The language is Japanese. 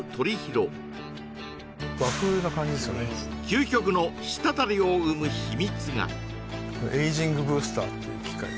究極のしたたりを生む秘密がこれエイジングブースターっていう機械です